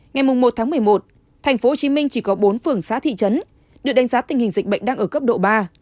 ngày một một mươi một tp hcm chỉ có bốn phường xã thị trấn được đánh giá tình hình dịch bệnh đang ở cấp độ ba